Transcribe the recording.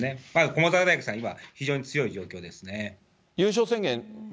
駒澤大学さん、今、非常に強い状況ですね。